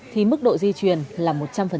thì mức độ di truyền là một trăm linh